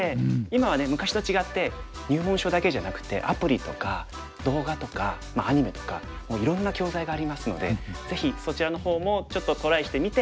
昔と違って入門書だけじゃなくてアプリとか動画とかアニメとかもういろんな教材がありますのでぜひそちらの方もちょっとトライしてみて。